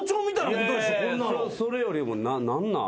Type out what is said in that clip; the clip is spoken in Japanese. それよりも何なん？